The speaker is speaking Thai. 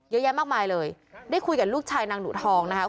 เยอะแยะมากมายเลยได้คุยกับลูกชายนางหนูทองนะครับ